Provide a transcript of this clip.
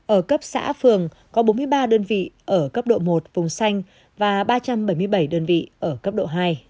ở cấp xã phường có bốn mươi ba đơn vị ở cấp độ một vùng xanh và ba trăm bảy mươi bảy đơn vị ở cấp độ hai